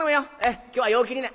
今日は陽気にね」。